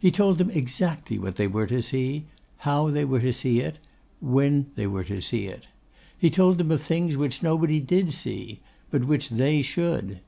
He told them exactly what they were to see; how they were to see it; when they were to see it. He told them of things which nobody did see, but which they should.